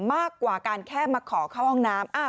มากกว่าการแค่มาขอเข้าห้องน้ำ